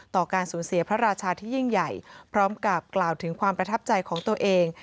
การสูญเสียพระราชาที่ยิ่งใหญ่พร้อมกับกล่าวถึงความประทับใจของตัวเอง